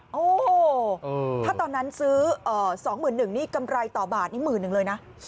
โอ้โหถ้าตอนนั้นซื้อ๒๑๐๐๐บาทนี่กำไรต่อบาท๒๑๐๐๐เลยนะ